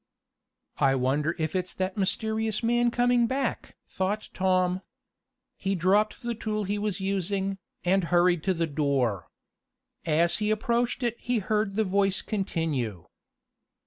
"I wonder if it's that mysterious man coming back?" thought Tom. He dropped the tool he was using, and hurried to the door. As he approached it he heard the voice continue.